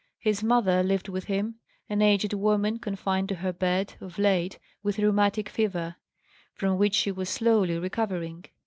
His mother lived with him an aged woman, confined to her bed, of late, with rheumatic fever, from which she was slowly recovering.